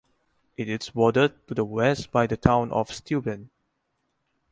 It is bordered to the west by the town of Steuben.